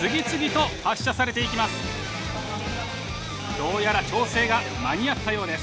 どうやら調整が間に合ったようです。